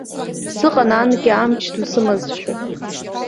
Сыҟан анкьа амч ду сымазшәа.